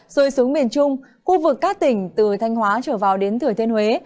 rồi xuống miền trung khu vực các tỉnh từ thanh hóa trở vào đến thừa thiên huế